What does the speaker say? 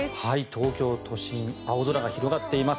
東京都心青空が広がっています。